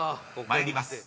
［参ります。